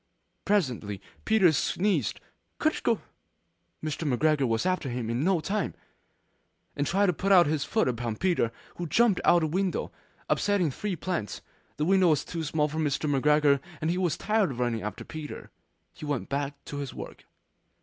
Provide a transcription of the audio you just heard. Presently Peter sneezed 'Kertyschoo!' Mr. McGregor was after him in no time. And tried to put his foot upon Peter, who jumped out of a window, upsetting three plants. The window was too small for Mr. McGregor, and he was tired of running after Peter. He went back to his work.